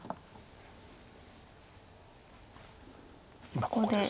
今ここです。